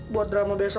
buat drama besok